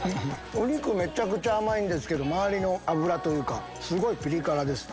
お肉めちゃくちゃ甘いけど周りの油というかピリ辛です。